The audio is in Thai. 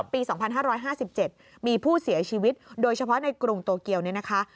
ปี๒๕๕๗มีผู้เสียชีวิตโดยเฉพาะในกรุงโตเกียวเนี่ยนะคะ